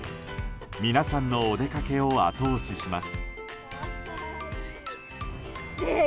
皆さんのお出かけを後押しします。